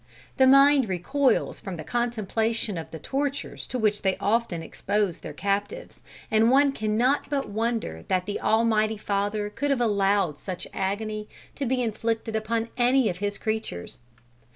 The mind recoils from the contemplation of the tortures to which they often exposed their captives. And one cannot but wonder that the Almighty Father could have allowed such agony to be inflicted upon any of His creatures.